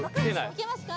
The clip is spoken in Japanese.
いけますか？